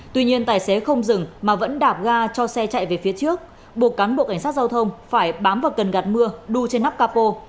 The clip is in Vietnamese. tuy nhiên tài xế không dừng mà vẫn đạp ga cho xe chạy về phía trước buộc cán bộ cảnh sát giao thông phải bám vào cần gạt mưa đu trên nắp capo